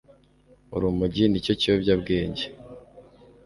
Urumogi ni cyo kiyobyabwenge